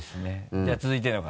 じゃあ続いての方。